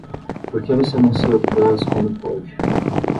Por que você não se opôs quando pôde?